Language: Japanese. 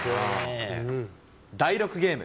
第６ゲーム。